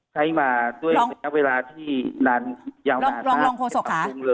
ใช้มาด้วยระยะเวลาที่นานยาวหนานะ